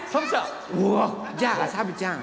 じゃあさぶちゃん！